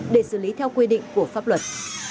để xử lý theo quy định của pháp luật